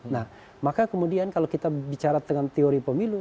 nah maka kemudian kalau kita bicara dengan teori pemilu